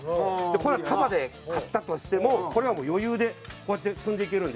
これを束で買ったとしてもこれはもう余裕でこうやって積んでいけるんで。